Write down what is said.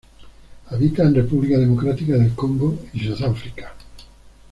Habita en República Democrática del Congo y Sudáfrica.